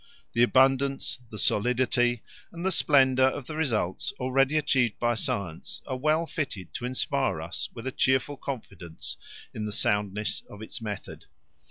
The abundance, the solidity, and the splendour of the results already achieved by science are well fitted to inspire us with a cheerful confidence in the soundness of its method.